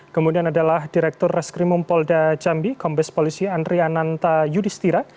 kemudian adalah direktur reskrimum kapolda jambi kombes polisi andri ananta yudistira